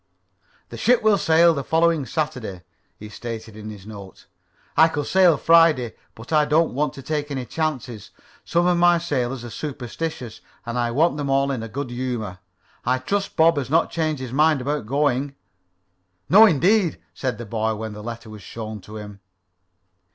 "The ship will sail the following Saturday," he stated in his note. "I could sail Friday, but I don't want to take any chances. Some of my sailors are superstitious, and I want them all to be in good humor. I trust Bob has not changed his mind about going." "No indeed," said the boy, when the letter was shown to him.